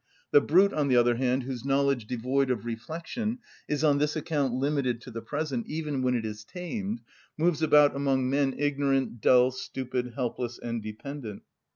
The brute, on the other hand, whose knowledge, devoid of reflection, is on this account limited to the present, even when it is tamed, moves about among men ignorant, dull, stupid, helpless, and dependent.